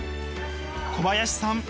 小林さん